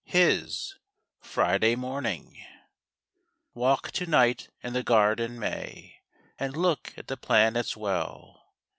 HIS FRIDAY MORNING. Walk to night in the garden, May, And look at the planets well.